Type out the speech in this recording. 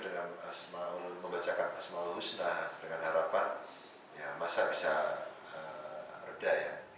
dengan asmaul membacakan asmaul usnah dengan harapan masa bisa reda